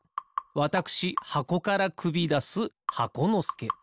わたくしはこからくびだす箱のすけ。